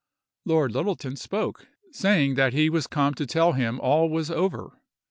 Lord Littleton spoke, saying that he was come to tell him all was over.